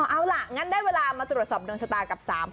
เอาล่ะงั้นได้เวลามาตุลสอบโดยสตาร์กับ๓ผู้โชคดี